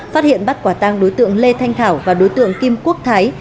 phát hiện bắt quả tang đối tượng lê thanh thảo và đối tượng kim quốc thái